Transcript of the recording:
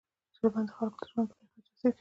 چرګان د خلکو د ژوند په کیفیت تاثیر کوي.